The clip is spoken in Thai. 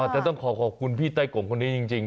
แต่ต้องขอขอบคุณพี่ไต้กลมคนนี้จริง